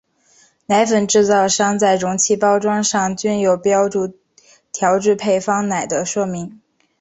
奶粉制造商在容器包装上均有标注调制配方奶的说明。